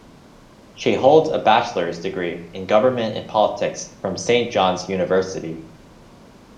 She holds a bachelor's degree in Government and Politics from Saint John's University.